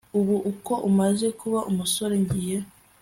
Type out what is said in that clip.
ubu ko umaze kuba umusore, ngiye